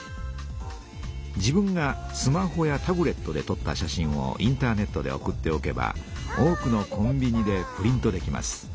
自分がスマホやタブレットでとった写真をインターネットで送っておけば多くのコンビニでプリントできます。